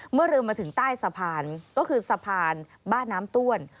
เมื่อเรือมาถึงใต้สะพานก็คือสะพานบ้านน้ำต้วน